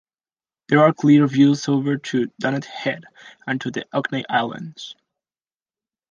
There are clear views over to Dunnet Head and to the Orkney Islands.